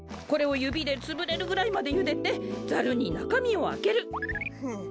これをゆびでつぶれるぐらいまでゆでてザルになかみをあける。